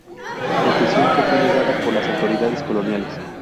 Petición que fue negada por las autoridades coloniales.